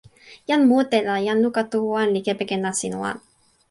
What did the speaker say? jan mute la jan luka tu wan li kepeken nasin wan.